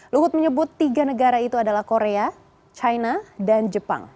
luhut menyebut tiga negara itu adalah korea china dan jepang